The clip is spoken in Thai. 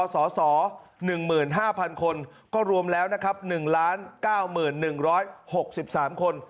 สส๑๕๐๐คนก็รวมแล้วนะครับ๑๙๑๖๓คน